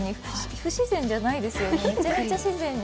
不自然じゃないですよね、めちゃめちゃ自然に。